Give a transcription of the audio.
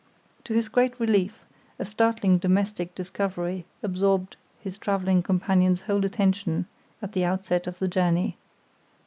To his great relief, a startling domestic discovery absorbed his traveling companion's whole attention at the outset of the journey.